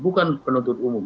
untuk penuntut umum